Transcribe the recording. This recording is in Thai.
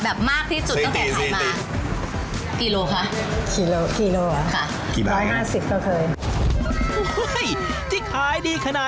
แบบมากที่สุดตั้งแต่ขายมา